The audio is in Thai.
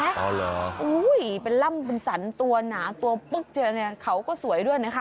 โอ้โหเป็นล่ำมันสันตัวหนาตัวปึ๊กจนเขาก็สวยด้วยนะคะ